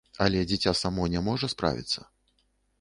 Але дзіця само не можа справіцца.